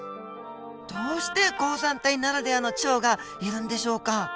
どうして高山帯ならではのチョウがいるんでしょうか？